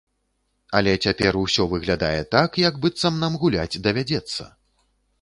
Але цяпер усё выглядае так, як быццам нам гуляць давядзецца.